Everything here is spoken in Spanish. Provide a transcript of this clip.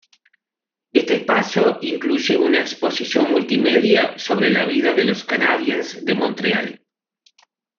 Este espacio incluye una exposición multimedia sobre la vida de los Canadiens de Montreal.